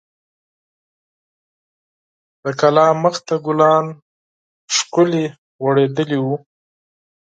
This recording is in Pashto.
د کور مخ ته ګلان ښکلي غوړیدلي وو.